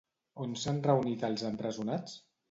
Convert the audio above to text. On s'han reunit els empresonats?